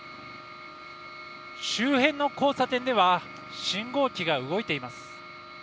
周辺の交差点では信号機が動いています。